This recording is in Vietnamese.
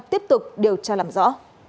tiếp tục điều tra làm rõ